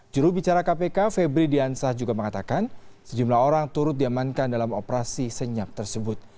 jurubicara kpk febri diansah juga mengatakan sejumlah orang turut diamankan dalam operasi senyap tersebut